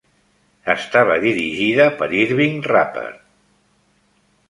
Estava dirigida per Irving Rapper.